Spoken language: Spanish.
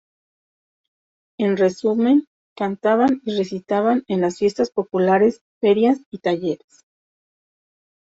En resumen, cantaban y recitaban en las fiestas populares, ferias y talleres.